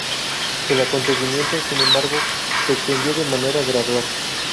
El acontecimiento, sin embargo, se extendió de manera gradual.